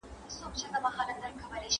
پرتې وې څو تـــازه د وینو دارې پـــه دېوال